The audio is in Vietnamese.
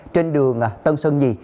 trên đường tân sơn nhì